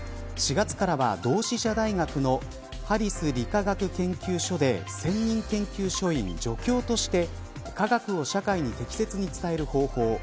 ４月からは、同志社大学のハリス理化学研究所で専任研究所員助教として科学を社会に適切に伝える方法。